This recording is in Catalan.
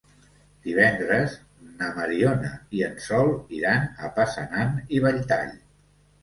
Divendres na Mariona i en Sol iran a Passanant i Belltall.